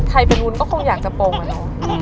ใครเป็นวุ้นก็คงอยากจะปงอะน้อง